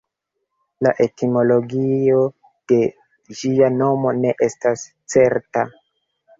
La etimologio de ĝia nomo ne estas certa.